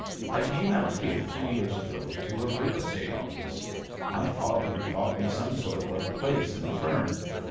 I came out here two years ago to a real estate office; my father bought me some sort of a place in the firm.